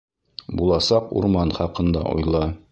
— Буласаҡ урман хаҡында уйла.